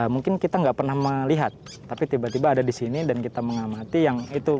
mungkin kita nggak pernah melihat tapi tiba tiba ada di sini dan kita mengamati yang itu